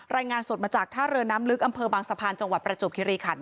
รายงานสดมาจากท่าเรือน้ำลึกอำเภอบางสะพานจังหวัดประจวบคิริขัน